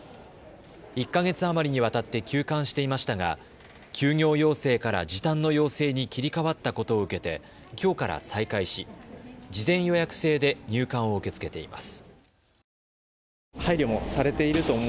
１か月余りにわたって休館していましたが休業要請から時短の要請に切り替わったことを受けてきょうから再開し、事前予約制で入館を受け付けています。